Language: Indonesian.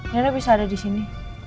nino bisa ada disini